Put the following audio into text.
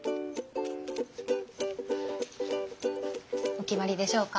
お決まりでしょうか。